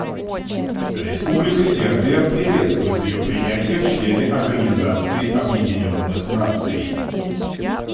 Республика Сербия приветствует ее принятие в члены Организации Объединенных Наций.